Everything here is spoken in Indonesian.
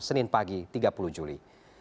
senin pagi tiga puluh juli